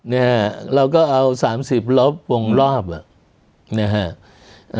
เนี่ยฮะเราก็เอา๓๐ลบวงรอบเนี่ยฮะ